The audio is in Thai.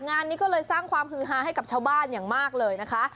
งานนี้ก็เลยสร้างความฮือฮาให้กับชาวบ้านอย่างมากเลยนะคะ